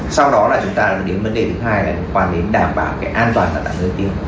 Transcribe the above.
sau đó là chúng ta đến vấn đề thứ hai là đảm bảo cái an toàn tạm nơi tiêm